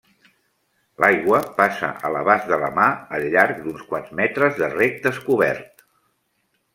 L'aigua passa a l'abast de la mà al llarg d'uns quants metres de rec descobert.